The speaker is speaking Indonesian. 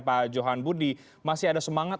pak johan budi masih ada semangat